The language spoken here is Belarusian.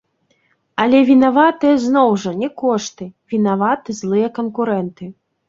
Але вінаватыя, зноў жа, не кошты, вінаваты злыя канкурэнты.